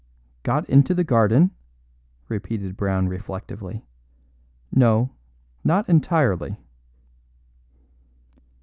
"Got into the garden?" repeated Brown reflectively. "No, not entirely."